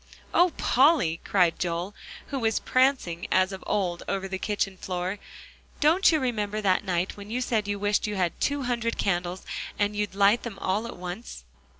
"Oh, Polly!" cried Joel, who was prancing as of old over the kitchen floor, "don't you remember that night when you said you wished you had two hundred candles, and you'd light them all at once?"